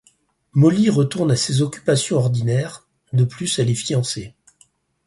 Molly retourne à ses occupations ordinaires, de plus elle est fiancée.